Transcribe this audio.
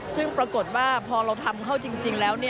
ซึ่งปรากฏว่าพอเราทำเข้าจริงแล้ว